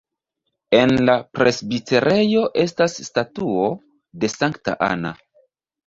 En la presbiterejo estas statuo de Sankta Anna.